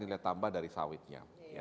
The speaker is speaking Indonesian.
nilai tambah dari sawitnya